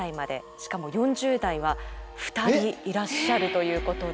しかも４０代は２人いらっしゃるということで。